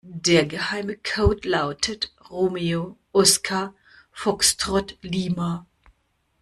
Der geheime Code lautet Romeo Oskar Foxtrott Lima.